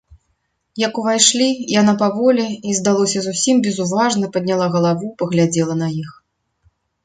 Як увайшлі, яна паволі і, здалося, зусім безуважна падняла галаву, паглядзела на іх.